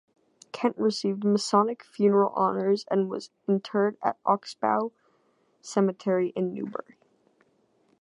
Kent received Masonic funeral honors and was interred at Oxbow Cemetery in Newbury.